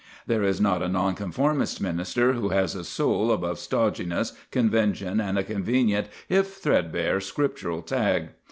There is not a Nonconformist minister who has a soul above stodginess, convention, and a convenient if threadbare Scriptural tag.